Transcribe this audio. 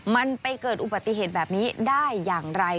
มันไปเกิดอุบัติเหตุแบบนี้ได้อย่างไร